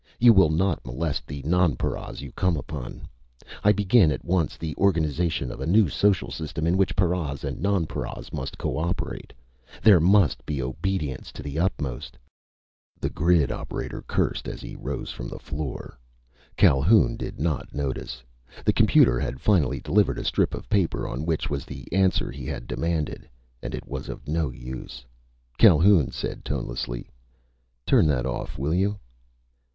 You will not molest the nonparas you come upon. I begin at once the organization of a new social system in which paras and nonparas must co operate. There must be obedience to the utmost _"The grid operator cursed as he rose from the floor. Calhoun did not notice. The computer had finally delivered a strip of paper on which was the answer he had demanded. And it was of no use. Calhoun said tonelessly: "Turn that off, will you?"